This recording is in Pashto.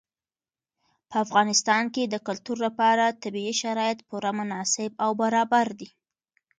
په افغانستان کې د کلتور لپاره طبیعي شرایط پوره مناسب او برابر دي.